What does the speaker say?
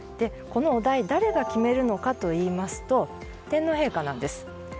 このお題誰が決めるのかといいますと天皇陛下なんです。